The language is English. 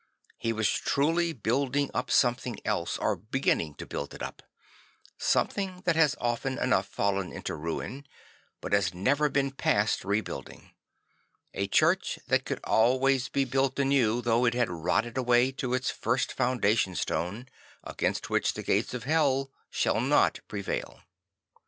He was truly building up something else, or beginning to build it up; something that has often enough fallen into ruin but has never been past rebuilding; a church that could always be built anew though it had rotted away to its first foundation stone, against which the gates of hell shall not prevail.